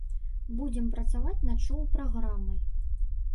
Будзем працаваць над шоў-праграмай.